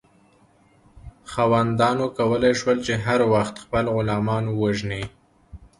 خاوندانو کولی شول چې هر وخت خپل غلامان ووژني.